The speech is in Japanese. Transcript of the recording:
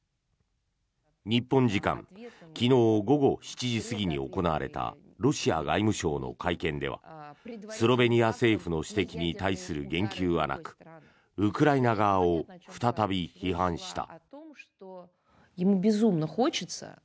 日本時間昨日午後７時過ぎに行われたロシア外務省の会見ではスロベニア政府の指摘に対する言及はなくウクライナ側を再び批判した。